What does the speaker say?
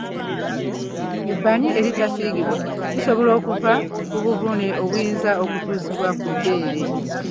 Ebbanyi eritasiigibwa lisobola okuva ku buvune obuyinza okutuusibwa ku bbeere.